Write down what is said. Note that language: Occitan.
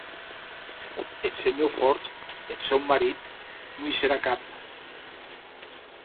Eth senhor Ford, eth sòn marit, non i serà cap.